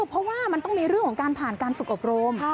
เพราะว่ามันต้องมีเรื่องของการผ่านการฝึกอบรม